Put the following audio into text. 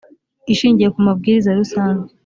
ishingiye ku mabwiriza rusange